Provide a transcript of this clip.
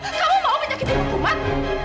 kamu mau menyakiti hukuman